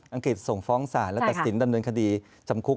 องกฤษส่งฟ้องศาลและตัดสินดำเนินคดีจำคุก